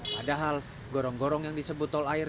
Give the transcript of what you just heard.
padahal gorong gorong yang disebut tol air